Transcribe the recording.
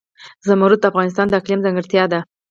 زمرد د افغانستان د اقلیم ځانګړتیا ده.